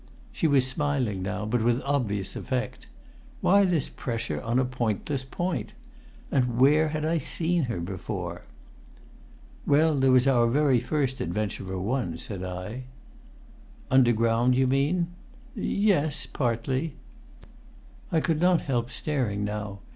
She was smiling now, but with obvious effort. Why this pressure on a pointless point? And where had I seen her before? "Well, there was our very first adventure, for one," said I. "Underground, you mean?" "Yes partly." I could not help staring now.